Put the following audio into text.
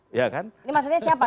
ini maksudnya siapa